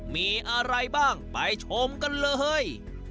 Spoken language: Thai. มีอะไรบ้างไปชมกันเลย